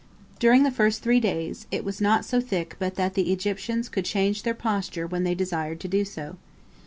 During the first three days, it was not so thick but that the Egyptians could change their posture when they desired to do so.